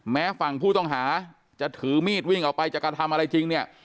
แม้ฝั่งผู้ต้องหาจะถือมีดวิ่งออกไปจะกระทำอะไรจริงเนี่ย